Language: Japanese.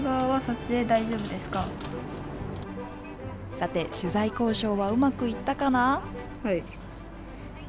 さて、取材交渉はうまくいったかな？